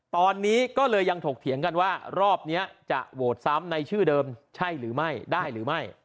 ตอนนี้ก็เลยยังถกเถียงกันว่ารอบนี้จะโหวตซ้ำในชื่อเดิมใช่หรือไม่ได้หรือไม่